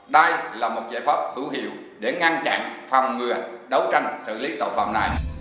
đây là một giải pháp thủ hiệu để ngăn chặn phòng ngừa đấu tranh xử lý tàu phạm này